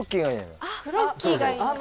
クロッキーがいいのよ